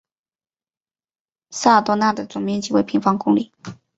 沙尔多讷的总面积为平方公里。